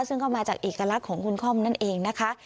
ซึ่งก็มาจากเอกลักษณ์ของคุณค่อมนั่นเองนะคะ